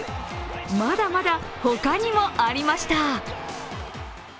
まだまだ他にもありました。